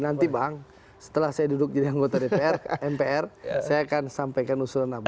nanti bang setelah saya duduk jadi anggota dpr mpr saya akan sampaikan usulan apa